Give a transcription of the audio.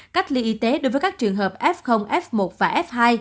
cách ly y tế đối với các trường hợp f f một và f hai